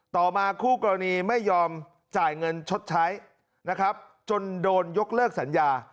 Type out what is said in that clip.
ต่อมาคู่กรณีไม่ยอมจ่ายเงินชดใช้นะครับจนโดนยกเลิกสัญญา